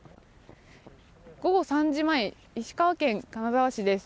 午後３時前石川県金沢市です。